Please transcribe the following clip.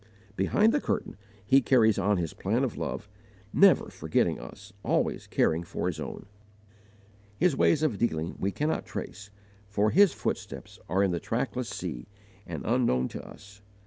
Behind the curtain He carries on His plan of love, never forgetting us, always caring for His own. His ways of dealing we cannot trace, for His footsteps are in the trackless sea, and unknown to us.